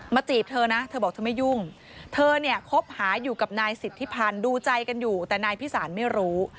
จีบเธอนะเธอบอกเธอไม่ยุ่งเธอเนี่ยคบหาอยู่กับนายสิทธิพันธ์ดูใจกันอยู่แต่นายพิสารไม่รู้